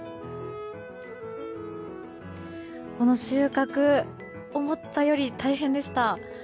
この収穫、思ったより大変でした。